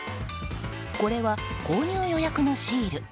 これは購入予約のシール。